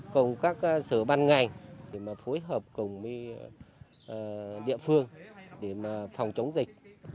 cùng các sở ban ngành để mà phối hợp cùng địa phương để mà phòng chống dịch